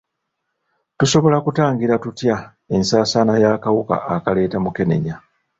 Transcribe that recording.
Tusobola kutangira tutya ensaasaana y'akawuka akaleeta mukenenya?